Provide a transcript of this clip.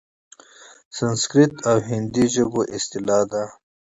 سنسکریت او هندي ژبو اصطلاح ده؛